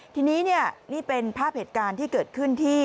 ทีนี้นี่เป็นภาพเหตุการณ์ที่เกิดขึ้นที่